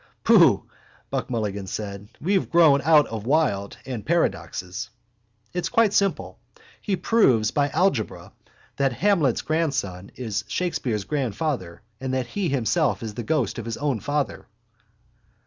—Pooh! Buck Mulligan said. We have grown out of Wilde and paradoxes. It's quite simple. He proves by algebra that Hamlet's grandson is Shakespeare's grandfather and that he himself is the ghost of his own father.